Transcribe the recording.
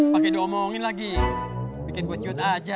pak gede omongin lagi bikin gua ciut aja